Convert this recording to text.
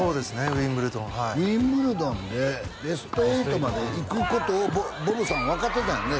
ウィンブルドンはいウィンブルドンでベスト８まで行くことをボブさんは分かってたんやろうね